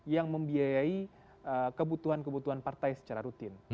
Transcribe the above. yang membiayai kebutuhan kebutuhan partai secara rutin